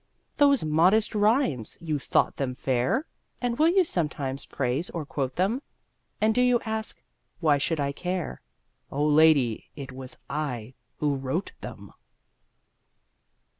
Those modest rhymes, you thought them fair? And will you sometimes praise or quote them? And do you ask why I should care? Oh, Lady, it was I who wrote them!